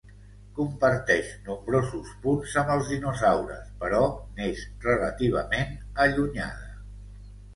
Comparteix nombrosos punts amb els dinosaures però n'és relativament allunyada.